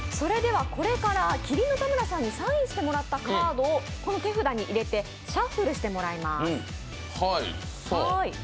これから麒麟の田村さんにサインしてもらったカードをこの手札に入れてシャッフルしてもらいます。